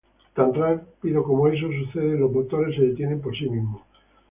Tan rápido como eso sucede los motores se detienen por sí mismos.